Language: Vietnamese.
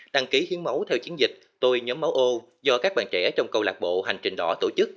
đăng ký hiến máu theo chiến dịch tôi nhóm máu ô do các bạn trẻ trong câu lạc bộ hành trình đỏ tổ chức